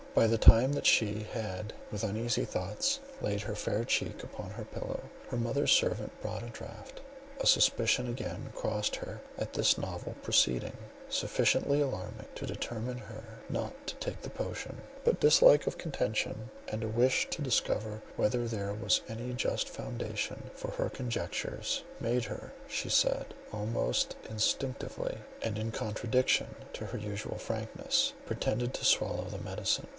By the time that she had with uneasy thoughts laid her fair cheek upon her pillow, her mother's servant brought a draught; a suspicion again crossed her at this novel proceeding, sufficiently alarming to determine her not to take the potion; but dislike of contention, and a wish to discover whether there was any just foundation for her conjectures, made her, she said, almost instinctively, and in contradiction to her usual frankness, pretend to swallow the medicine.